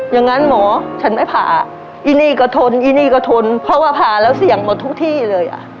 อย่างนั้นหมอฉันไม่ผ่าอีนี่ก็ทนอีนี่ก็ทนเพราะว่าผ่าแล้วเสี่ยงหมดทุกที่เลยอ่ะ